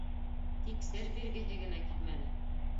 Тик сер биргеһе генә килмәне.